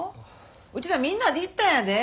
うちらみんなで行ったんやで。